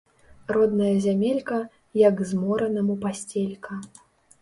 Родная зямелька – як зморанаму пасцелька